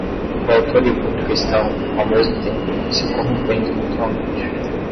O autor e o público estão, ao mesmo tempo, se corrompendo mutuamente.